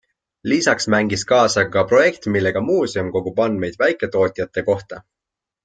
Lisaks mängis kaasa ka projekt, millega muuseum kogub andmeid väiketootjate kohta.